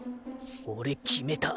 俺決めた。